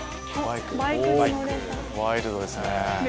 おワイルドですね